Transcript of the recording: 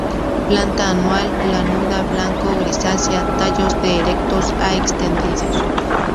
Planta anual, lanuda blanco-grisácea; tallos de erectos a extendidos.